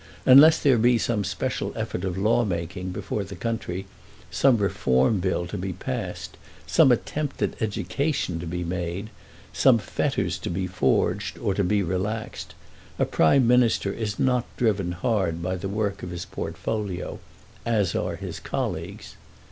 Unless there be some special effort of lawmaking before the country, some reform bill to be passed, some attempt at education to be made, some fetters to be forged or to be relaxed, a Prime Minister is not driven hard by the work of his portfolio, as are his colleagues.